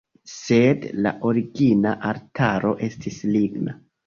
Sed la origina altaro estis ligna.